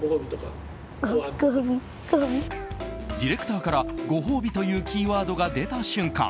ディレクターからご褒美というキーワードが出た瞬間